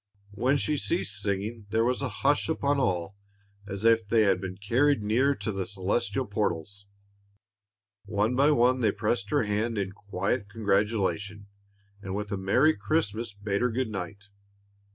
When she ceased singing, there was a hush upon all, as if they had been carried near to the celestial portals. One by one they pressed her hand in quiet congratulation, and with a "Merry Christmas" bade her good night. Mrs.